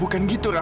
bukan gitu rha